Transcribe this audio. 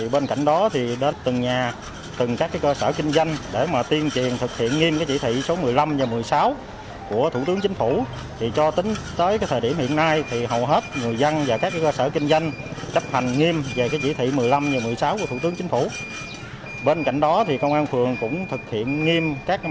bên cạnh đó công an phường cũng thực hiện nghiêm các mặt công tác